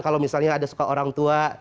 kalau misalnya ada suka orang tua